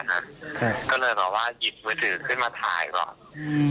ก็เลยแบบว่าหยิบมือถือขึ้นมาถ่ายก่อนอืม